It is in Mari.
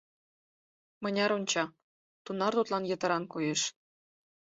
Мыняр онча, тунар тудлан йытыран коеш.